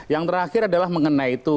yang terakhir adalah mengenai itu